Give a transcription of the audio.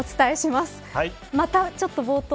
またちょっと冒頭。